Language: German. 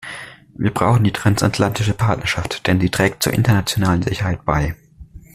Wir brauchen die transatlantische Partnerschaft, denn sie trägt zur internationalen Sicherheit bei.